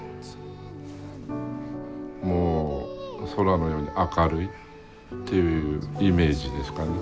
もう空のように明るいっていうイメージですかね。